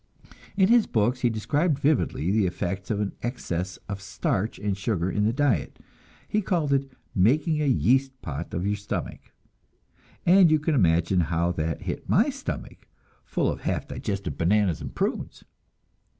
In his books he described vividly the effects of an excess of starch and sugar in the diet. He called it "making a yeast pot of your stomach"; and you can imagine how that hit my stomach, full of half digested bananas and prunes!